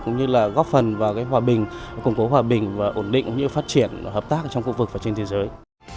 cũng như là góp phần vào hòa bình củng cố hòa bình và ổn định cũng như phát triển hợp tác trong khu vực và trên thế giới